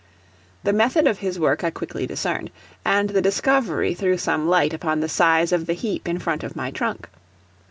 The method of his work I quickly discerned, and the discovery threw some light upon the size of the heap in front of my trunk.